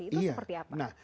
itu seperti apa